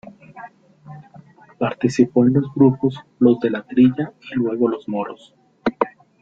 Participó en los grupos Los de la Trilla y luego Los Moros.